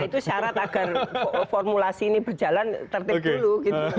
itu syarat agar formulasi ini berjalan tertib dulu